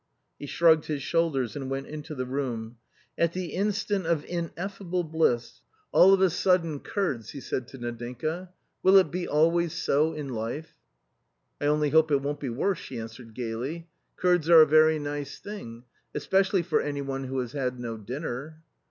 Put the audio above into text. He shrugged his shoulders and went into the room. "At the instant of ineffable bliss — all of a sudden _r A COMMON STORY 97 curds !!" he said to Nadinka, " Will it be always so in life?" " I only hope it won't be worse," she answered gaily ;" curds are a very nice thing, especially for any one who has had no dinner."